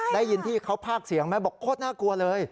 ได้ยินที่เขาภาคเสียงไหมบอกโคตรน่ากลัวเลย